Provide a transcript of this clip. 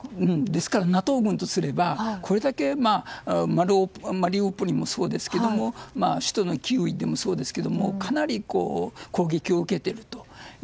ですから、ＮＡＴＯ軍とすればこれだけマリウポリもそうですが首都のキーウでもそうですがかなり攻撃を受けていると。